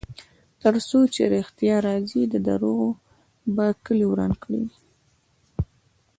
ترڅو چې ریښتیا راځي، دروغو به کلی وران کړی وي.